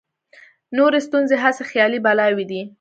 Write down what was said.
نورې ستونزې هسې خیالي بلاوې دي.